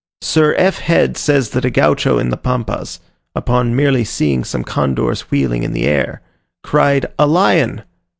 Sir F. Head says that a Gaucho in the pampas, upon merely seeing some condors wheeling in the air, cried "A lion!"